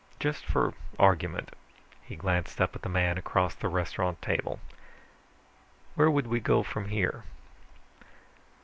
Just for argument." He glanced up at the man across the restaurant table. "Where would we go from here?"